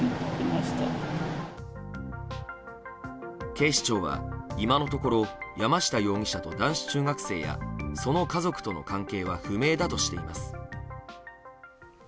警視庁は今のところ山下容疑者と男子中学生やその家族との関係は不明だとしています。